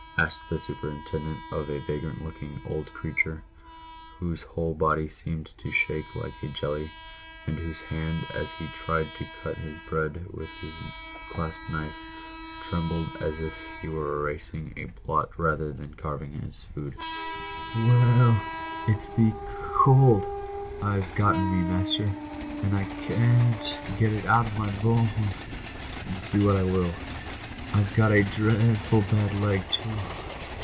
asked the superintendent of a vagrant looking old creature, whose whole body seemed to shake like a jelly, and whose hand, as he tried to cut his bread with his clasp knife, trembled as if he were erasing a blot rather than carving his food. 16 PAYED WITH GOLD. " We e ell it's the co o old I've got in me, master, and I ca a an't get it out of my bo o ones, do what I will. I've got a drea a adful bad leg, too o o.